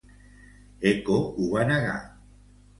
Eco ho va negar.